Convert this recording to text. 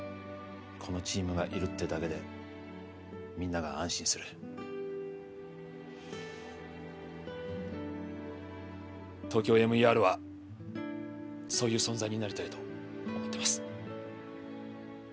このチームがいるってだけでみんなが安心するＴＯＫＹＯＭＥＲはそういう存在になりたいと思ってます